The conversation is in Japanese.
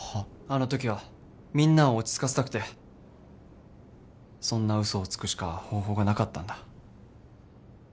あのときはみんなを落ち着かせたくてそんな嘘をつくしか方法がなかったんだ。